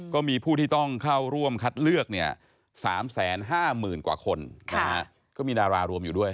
ก็มีผู้ที่ต้องเข้าร่วมคัดเลือก๓๕๐๐๐กว่าคนก็มีดารารวมอยู่ด้วย